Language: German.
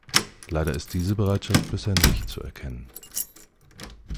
Leider ist diese Bereitschaft bisher nicht zu erkennen.